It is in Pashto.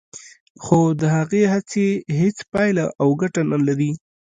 خو د هغه هڅې هیڅ پایله او ګټه نه لري